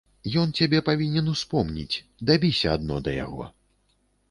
Ён цябе павінен успомніць, дабіся адно да яго.